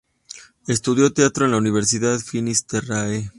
Estudió Teatro en la Universidad Finis Terrae.